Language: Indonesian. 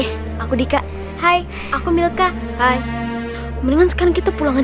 tapi kalau emang iya gimana cara bukanya